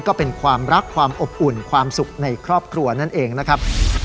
ก็เป็นความรักความอบอุ่นความสุขในครอบครัวนั่นเองนะครับ